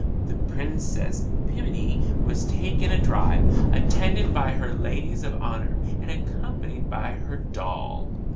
'The Princess Pimminy was taken a drive, attended by her ladies of honour, and accompanied by her doll,' &c.